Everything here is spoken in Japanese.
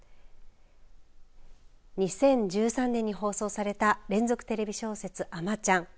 ２０１３年に放送された連続テレビ小説あまちゃん。